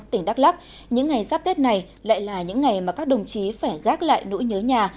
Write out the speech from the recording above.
tỉnh đắk lắc những ngày giáp tết này lại là những ngày mà các đồng chí phải gác lại nỗi nhớ nhà